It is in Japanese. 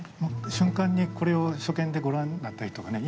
瞬間にこれを初見でご覧になったりとかね